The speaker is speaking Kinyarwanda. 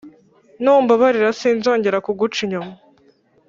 numbabarira sinzongera kuguca inyuma